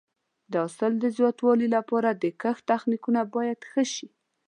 د حاصل د زیاتوالي لپاره د کښت تخنیکونه باید ښه شي.